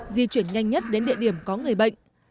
di chuyển nhanh nhất đến địa điểm có người bệnh